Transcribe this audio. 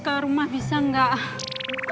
ke rumah bisa gak